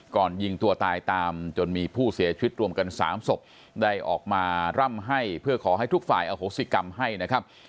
ยิงตัวตายตามจนมีผู้เสียชีวิตรวมกัน๓ศพได้ออกมาร่ำให้เพื่อขอให้ทุกฝ่ายอโหสิกรรมให้นะครับ